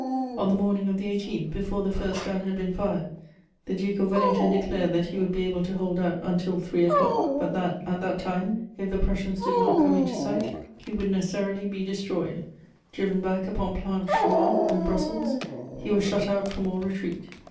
On the morning of the 18th, before the first gun had been fired, the Duke of Wellington declared that he would be able to hold out until three o'clock; but that, at that time, if the Prussians did not come into sight, he would necessarily be destroyed: driven back upon Planchenois and Brussels, he was shut out from all retreat.